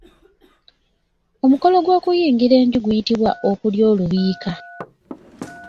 Omukolo ogw'okuyingira enju guyitibwa okulya olubiika.